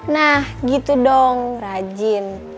nah gitu dong rajin